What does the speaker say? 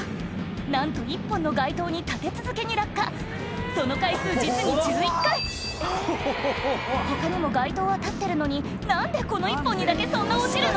なんと１本の街灯に立て続けに落下その回数実に他にも街灯は立ってるのに何でこの１本にだけそんな落ちるの？